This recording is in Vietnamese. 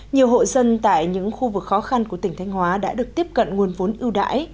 nhiều hộ dân tại những khu vực khó khăn của tỉnh thanh hóa đã được tiếp cận nguồn vốn ưu đãi